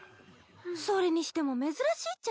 それにしても珍しいっちゃね。